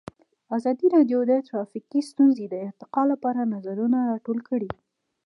ازادي راډیو د ټرافیکي ستونزې د ارتقا لپاره نظرونه راټول کړي.